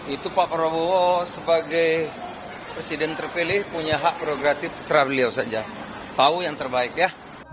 itu pak prabowo sebagai presiden terpilih punya hak progratif secara beliau saja tahu yang terbaik ya